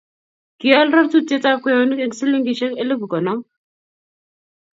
Kial rotutietab kweyonik eng' silingisiek elipu konom.